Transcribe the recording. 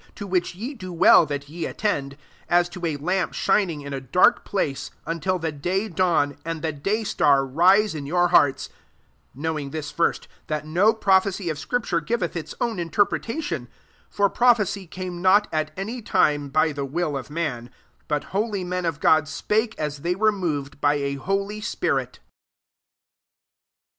19 We have also the word of irophecy more confirmed; to vhich ye do well that ye attend, » to a lamp shining in a dark >lace, until the day dawn, and be day star rise in your hearts: to knowing this first, that no prophecy of scripture giveth ts own interpretation. 21 For irophecy came not at any time If the will of man; but holy men )l God spake ae they were njov id by a holy spirit.